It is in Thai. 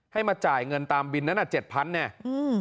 ให้มาจ่ายเงินตามบิลนั้นอ่ะ๗๐๐๐เนี่ยอืม